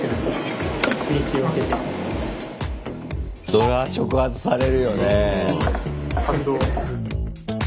そりゃ触発されるよね。